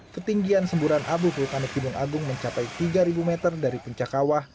ketinggian semburan abu vulkanik gunung agung mencapai tiga meter dari puncak kawah